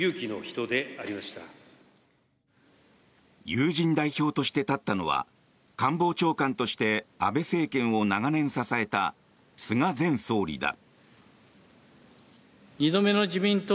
友人代表として立ったのは官房長官として安倍政権を長年支えた菅前総理だ。